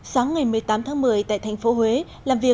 sáng ngày một mươi tám tháng một mươi tại thành phố huế